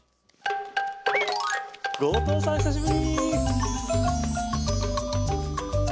後藤さん久しぶり。